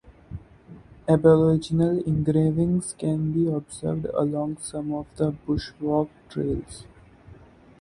Aboriginal engravings can be observed along some of the bushwalk trails.